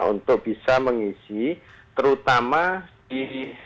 untuk bisa mengisi terutama di